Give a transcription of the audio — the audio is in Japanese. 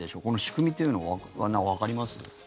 この仕組みというのはわかります？